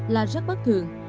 là rất bất thường